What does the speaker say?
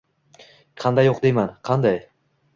Qanday yo`q deyman, qanday